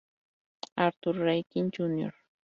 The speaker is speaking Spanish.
Arthur Rankin Jr.